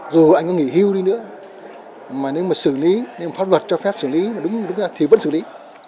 dù anh có nghỉ hưu đi nữa mà nếu mà xử lý nếu mà pháp luật cho phép xử lý thì vẫn xử lý